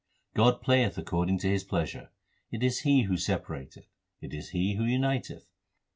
God playeth according to His pleasure : It is He who separateth, it is He who uniteth.